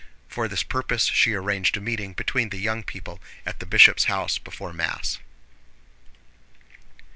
For this purpose she arranged a meeting between the young people at the bishop's house before Mass.